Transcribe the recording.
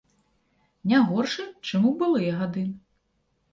Не горшы, чым у былыя гады.